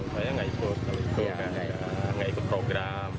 saya enggak ikut kalau ikut enggak ikut program